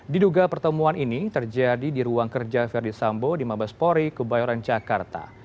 diduga pertemuan ini terjadi di ruang kerja verdi sambo di mabespori kebayoran jakarta